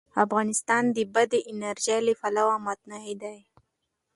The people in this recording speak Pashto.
افغانستان د بادي انرژي له پلوه متنوع دی.